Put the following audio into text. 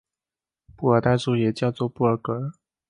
布尔代数也叫做布尔格。